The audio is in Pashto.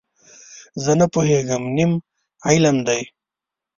زه نه پوهېږم، نیم علم دی.